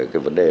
cái vấn đề